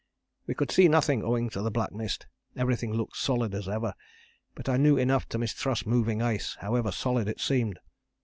We could see nothing owing to the black mist, everything looked solid as ever, but I knew enough to mistrust moving ice, however solid it seemed.